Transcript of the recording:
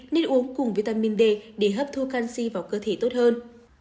nên uống cùng vitamin d để hấp thu canxi vào cơ thể tốt hơn